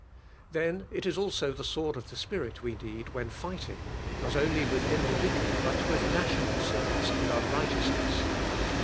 Then it is also the sword of the Spirit we need when fighting, not only with individual, but with national sins and un righteousness.